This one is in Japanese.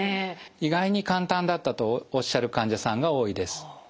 意外に簡単だったとおっしゃる患者さんが多いです。